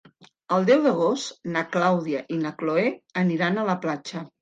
El deu d'agost na Clàudia i na Cloè aniran a la platja.